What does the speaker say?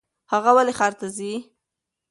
هغه ولې ښار ته ځي ؟